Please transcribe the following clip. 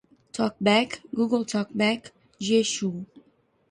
talkback, google talkback, Jieshuo